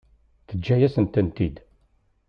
Teǧǧa-yasen-tent-id.